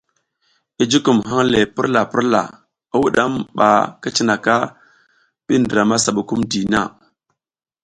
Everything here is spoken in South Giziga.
I jukum hang le purla purla i wudam ba ki cinaka bi ndra masa bukumdina.